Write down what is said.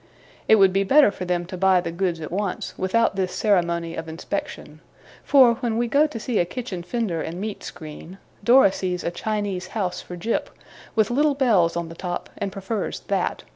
It would be better for them to buy the goods at once, without this ceremony of inspection; for, when we go to see a kitchen fender and meat screen, Dora sees a Chinese house for Jip, with little bells on the top, and prefers that.